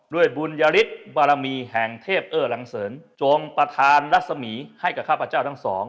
บุญยฤทธิ์บารมีแห่งเทพเอ้อหลังเสริญจงประธานรัศมีให้กับข้าพเจ้าทั้งสอง